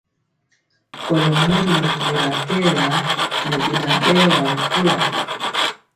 Kɔlo mori mɛkóra kɛɛla ŋɛ beŋa berwa ri kula.